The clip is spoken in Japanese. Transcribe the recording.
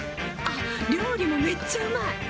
あっ料理もめっちゃうまい！